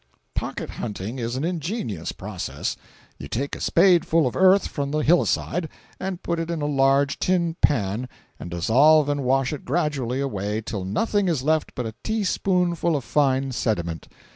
Pocket hunting is an ingenious process. You take a spadeful of earth from the hill side and put it in a large tin pan and dissolve and wash it gradually away till nothing is left but a teaspoonful of fine sediment.